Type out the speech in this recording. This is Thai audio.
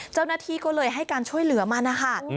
เจ้าหน้าที่ก็เลยให้การช่วยเหลือมันนะคะ